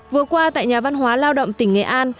vừa qua tại nhà văn hóa lao động tỉnh nghệ an